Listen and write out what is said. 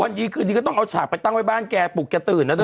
ดีคืนดีก็ต้องเอาฉากไปตั้งไว้บ้านแกปลุกแกตื่นนะเ